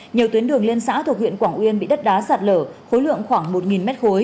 nhiều tuyến đường liên xã thuộc huyện quảng uyên bị đất đá sạt lở khối lượng khoảng một m ba